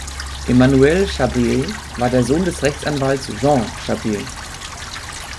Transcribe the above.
Emmanuel Chabrier war der Sohn des Rechtsanwalts Jean Chabrier.